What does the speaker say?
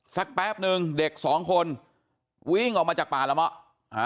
แป๊บนึงเด็กสองคนวิ่งออกมาจากป่าละเมาะ